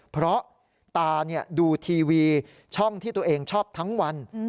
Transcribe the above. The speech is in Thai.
เพราะตาดูทีวีช่องที่ตัวเองชอบทั้งวัน